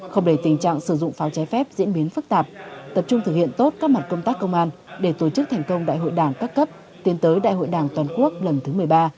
không để tình trạng sử dụng pháo trái phép diễn biến phức tạp tập trung thực hiện tốt các mặt công tác công an để tổ chức thành công đại hội đảng các cấp tiến tới đại hội đảng toàn quốc lần thứ một mươi ba